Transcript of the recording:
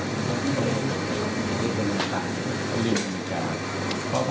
ก็ได้อย่างงั้นจริงจริงทีกันนะครับ